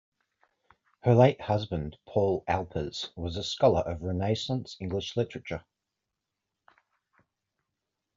Her late husband, Paul Alpers, was a scholar of Renaissance English literature.